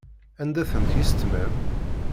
Anda-tent yissetma-m?